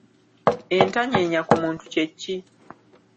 Entanyenya ku muntu kye ki?